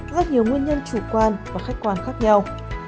rất nhiều nguyên nhân chủ quan và khách quan khác nhau